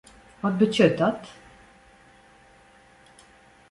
Wat betsjut dat?